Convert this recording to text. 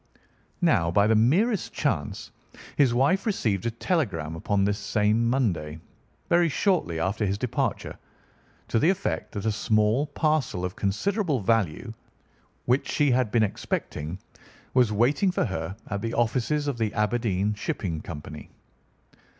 Now, by the merest chance, his wife received a telegram upon this same Monday, very shortly after his departure, to the effect that a small parcel of considerable value which she had been expecting was waiting for her at the offices of the Aberdeen Shipping Company.